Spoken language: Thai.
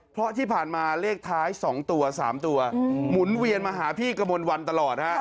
เพราะที่ผ่านมาเลขท้าย๒ตัว๓ตัวหมุนเวียนมาหาพี่กระมวลวันตลอดฮะ